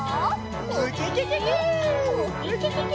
ウキキキ！